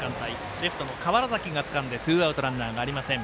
レフトの川原崎がつかんでツーアウト、ランナーありません。